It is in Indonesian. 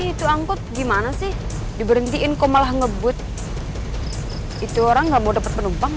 itu angkut gimana sih diberhentiin kok malah ngebut itu orang nggak mau dapat penumpang